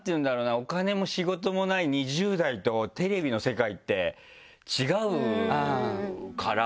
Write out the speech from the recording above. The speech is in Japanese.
お金も仕事もない２０代とテレビの世界って違うから。